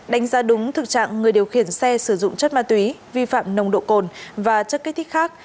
đánh giá đúng thực trạng người điều khiển xe sử dụng chất ma túy vi phạm nồng độ cồn và chất kích thích khác